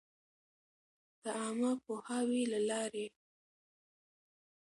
د عــامه پـوهــاوي لـه لارې٫